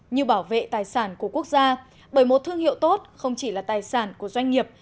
như bảo vệ tài sản của quốc gia bởi một thương hiệu tốt không chỉ là tài sản của doanh nghiệp